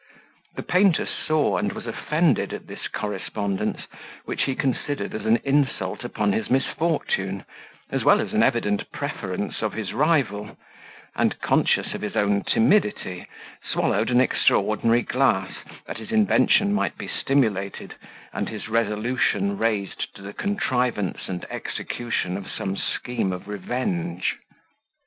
The painter saw and was offended at this correspondence, which he considered as an insult upon his misfortune, as well as an evident preference of his rival; and, conscious of his own timidity, swallowed an extraordinary glass, that his invention might be stimulated, and his resolution raised to the contrivance and execution of some scheme of revenge.